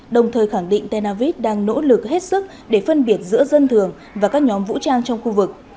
đồng thời khẳng định tel aviv đang nỗ lực hết sức để phân biệt giữa dân thường và các nhóm vũ trang trong khu vực